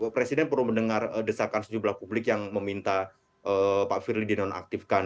presiden perlu mendengar desakan sejumlah publik yang meminta pak firly dinonaktifkan